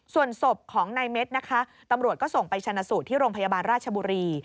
ส่วนศพของนายเม็ดนะคะตำรวจก็ส่งไปชนะสูตรที่โรงพยาบาลราชบุรี